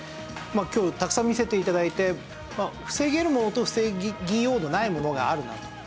今日たくさん見せて頂いて防げるものと防ぎようのないものがあるなと。